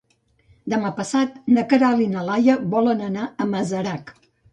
Demà passat na Queralt i na Laia volen anar a Masarac.